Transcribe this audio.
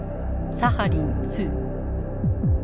サハリン２。